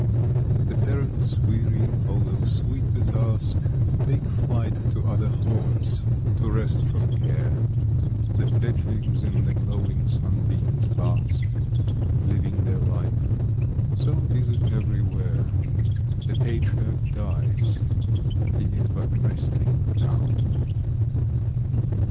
The parents, weary, although sweet the task, Take flight to other haunts, to rest from care. The fledgelings in the glowing sunbeams bask, Living their life. So is it everywhere, The patriarch dies; he is but resting now.